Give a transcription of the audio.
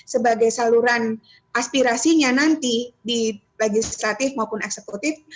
sebagai saluran aspirasinya nanti di legislatif maupun eksekutif